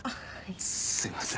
すいません。